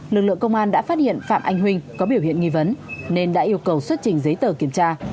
lực lượng công an đã phát hiện phạm anh huynh có biểu hiện nghi vấn nên đã yêu cầu xuất trình giấy tờ kiểm tra